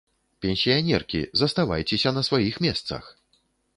Пенсіянеркі, заставайцеся на сваіх месцах!